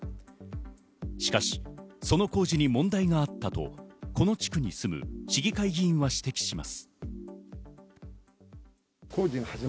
しかし、その工事に問題があったと、この地区に住む市議会議員は指摘します。